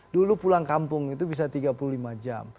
dulu pulang kampung itu bisa tiga puluh lima jam